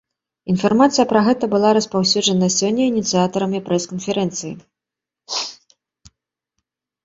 Інфармацыя пра гэта была распаўсюджана сёння ініцыятарамі прэс-канферэнцыі.